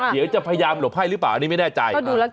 เดี๋ยวจะพยายามหลบให้หรือเปล่าอันนี้ไม่แน่ใจ